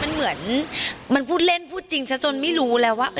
มันเหมือนมันพูดเล่นพูดจริงซะจนไม่รู้แล้วว่า